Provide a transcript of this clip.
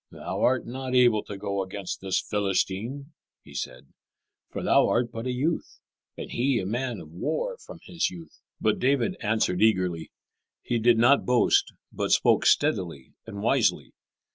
"Thou art not able to go against this Philistine," he said; "for thou art but a youth, and he a man of war from his youth." But David answered eagerly. He did not boast, but spoke steadily and wisely.